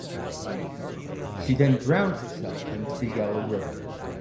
She then drowned herself into the Yellow River.